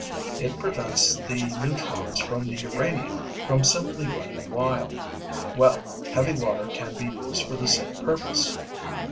It prevents the neutrons from the uranium from simply running wild. Well, heavy water can be used for the same purpose."